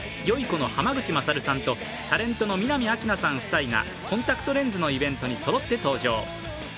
この濱口優さんとタレントの南明奈さん夫妻がコンタクトレンズのイベントにそろって登場。